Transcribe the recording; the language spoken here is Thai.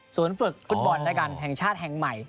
สวนฝึกฟุตบอลแห่งชาติแห่งใหม่